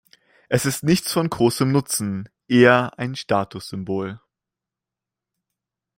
Es ist nichts von großem Nutzen, eher ein Statussymbol.